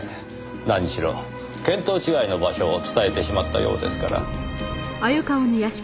何しろ見当違いの場所を伝えてしまったようですから。